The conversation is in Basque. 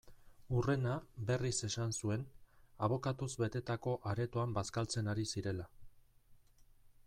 Hurrena, berriz esan zuen, abokatuz betetako aretoan bazkaltzen ari zirela.